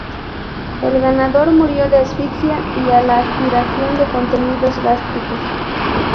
El ganador murió de asfixia y a la aspiración de contenidos gástricos.